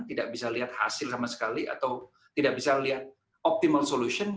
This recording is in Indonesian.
tidak bisa lihat hasil sama sekali atau tidak bisa lihat optimal solution